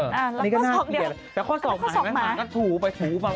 อันนี้ก็หน้าเห็นเดียวแล้วข้อสอกหมานก็ถั่วไปถู่บ้าง